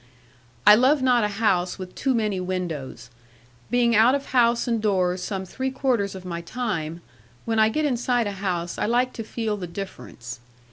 I love not a house with too many windows: being out of house and doors some three quarters of my time, when I get inside a house I like to feel the difference.